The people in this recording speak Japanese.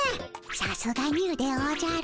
さすがニュでおじゃる。